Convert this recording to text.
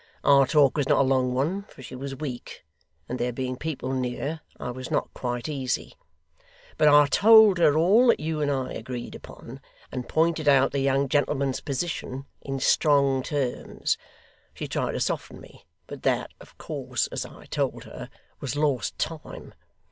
Our talk was not a long one, for she was weak, and there being people near I was not quite easy. But I told her all that you and I agreed upon, and pointed out the young gentleman's position, in strong terms. She tried to soften me, but that, of course (as I told her), was lost time.